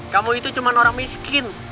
kamu itu cuma orang miskin